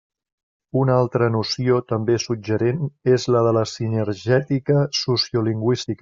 Una altra noció també suggerent és la de sinergètica sociolingüística.